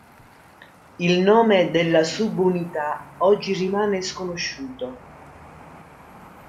Il nome della subunità oggi rimane sconosciuto.